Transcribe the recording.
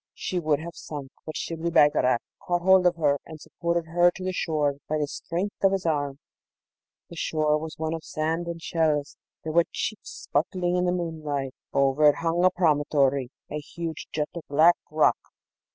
She would have sunk, but Shibli Bagarag caught hold of her, and supported her to the shore by the strength of his right arm. The shore was one of sand and shells, their wet cheeks sparkling in the moonlight; over it hung a promontory, a huge jut of black rock.